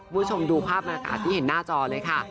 ผู้ชมดูภาพธนาคาที่เห็นหน้าจอเลยค่ะ